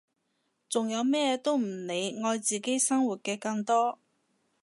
仲有咩都唔理愛自己生活嘅更多！